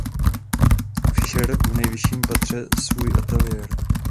Fišer v nejvyšším patře svůj ateliér.